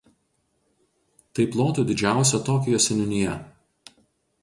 Tai plotu didžiausia Tokijo seniūnija.